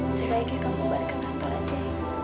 sebaiknya kamu kembali ke kantor aja